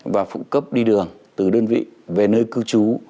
và phụ cấp đi đường từ đơn vị về nơi cư trú